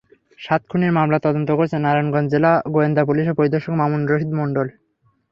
সাত খুনের মামলা তদন্ত করছে নারায়ণগঞ্জ জেলা গোয়েন্দা পুলিশের পরিদর্শক মামুনুর রশিদ মণ্ডল।